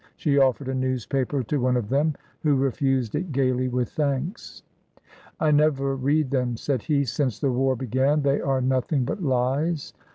She offered a newspaper to one of them, who refused it gaily with thanks. "I never read them," said he, "since the war began, they are nothing but lies.